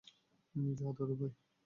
যা, দাদু ভাই।